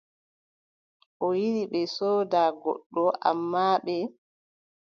O yiɗi ɓe sooda goɗɗo, ammaa ɓe.